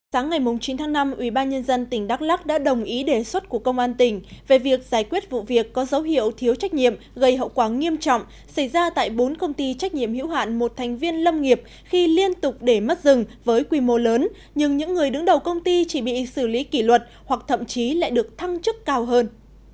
sáng ngày chín tháng năm ubnd tỉnh đắk lắc đã đồng ý đề xuất của công an tỉnh về việc giải quyết vụ việc có dấu hiệu thiếu trách nhiệm gây hậu quả nghiêm trọng xảy ra tại bốn công ty trách nhiệm hữu hạn một thành viên lâm nghiệp khi liên tục để mất rừng với quy mô lớn nhưng những người đứng đầu công ty chỉ bị xử lý kỷ luật hoặc thậm chí lại được thăng chức cao hơn